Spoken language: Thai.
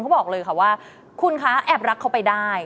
บอกเลยค่ะว่าคุณคะแอบรักเขาไปได้